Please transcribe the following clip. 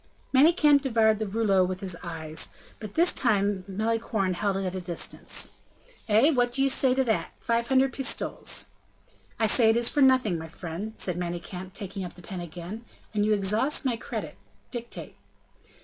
Manicamp devoured the rouleau with his eyes; but this time Malicorne held it at a distance. "Eh! what do you say to that? Five hundred pistoles." "I say it is for nothing, my friend," said Manicamp, taking up the pen again, "and you exhaust my credit. Dictate."